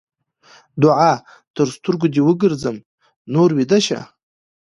دوعا؛ تر سترګو دې وګرځم؛ نور ويده شه.